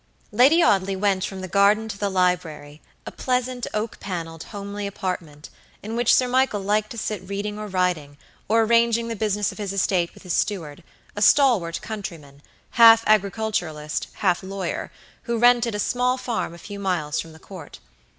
Lady Audley went from the garden to the library, a pleasant, oak paneled, homely apartment in which Sir Michael liked to sit reading or writing, or arranging the business of his estate with his steward, a stalwart countryman, half agriculturalist, half lawyer, who rented a small farm a few miles from the Court.